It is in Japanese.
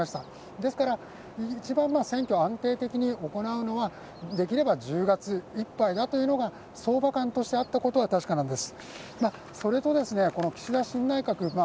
ですから、一番選挙を安定的に行うのはできれば１０月いっぱいだとういことが相場観としてあったことは確かです。